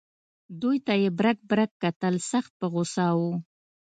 دوی ته یې برګ برګ کتل سخت په غوسه و.